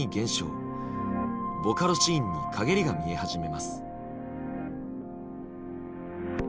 ボカロシーンに陰りが見え始めます。